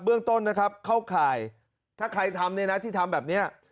เบื้องต้นนะครับเข้าข่ายถ้าใครทำเนี่ยนะ